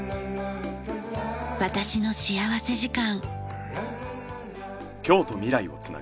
『私の幸福時間』。